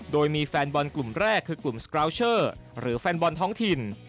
โดยมีแฟนบอลกลุ่มแรกคือกลุ่มสกราวเชอร์หรือแฟนบอลท้องถิ่น